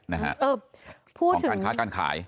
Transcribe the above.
ของการค้าการขาย